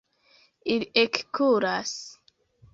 Ili ekkuras.